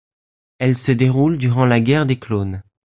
Elle se déroule durant la Guerre des clones.